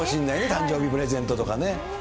誕生日プレゼントとかね。